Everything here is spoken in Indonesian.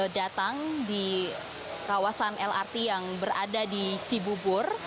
datang di kawasan lrt yang berada di cibubur